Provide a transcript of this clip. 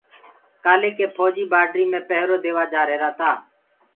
ڪآليِ ڪيِ ڦوجيٚ بآڊري ميِ پيهرو ديوآ جآريهِرآ تآ